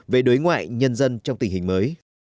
về đối ngoại nhân dân trong tình hình mới